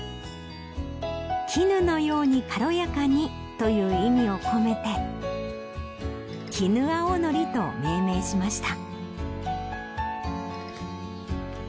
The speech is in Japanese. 絹のように軽やかにという意味を込めて「きぬ青のり」と命名しました。